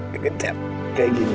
kejebak kayak gini